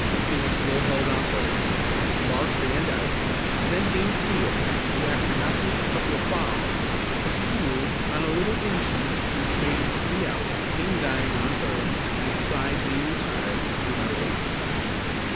King was still held on third. Smart fanned out, and then came Steel, who, after knocking a couple of fouls, was fooled on a little in shoot which made three out, King dying on third and the side being retired with no runs.